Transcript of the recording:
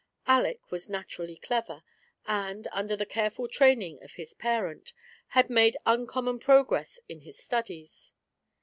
Aleck was naturally clever, and, under the careful training of his parent, had made uncommon progress in his studies.